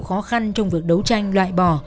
khó khăn trong việc đấu tranh loại bỏ